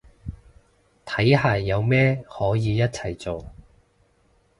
睇下有咩可以一齊做